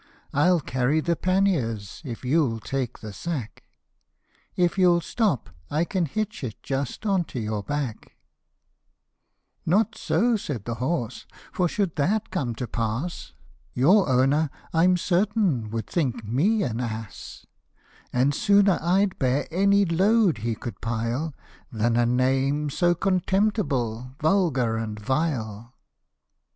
I'll carry the panniers, if you'll take the sack ; If you'll stop, I can hitch it just on to your back/' 30 " Not so," said the horse, K for should that come to pass, Your owner, I'm certain, would think me an ass ; And sooner I'd bear any load he could pile, Than a name so contemptible, vulgar, and vile."